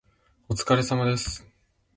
お疲れ様です。